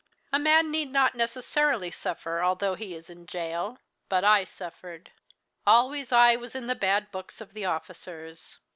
A man need not necessarily suffer although he is in gaol. But I suffered. Always I was in the bad books of the officers.